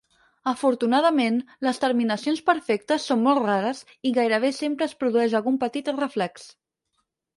Afortunadament, les terminacions perfectes són molt rares i gairebé sempre es produeix algun petit reflex.